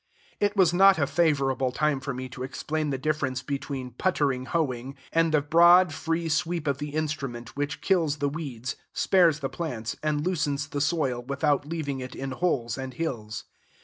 It was not a favorable time for me to explain the difference between puttering hoeing, and the broad, free sweep of the instrument, which kills the weeds, spares the plants, and loosens the soil without leaving it in holes and hills.